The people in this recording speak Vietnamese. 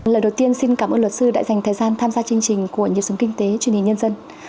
lần đầu tiên xin cảm ơn luật sư đã dành thời gian tham gia chương trình của nhiệp sống kinh tế chuyên hình nhân dân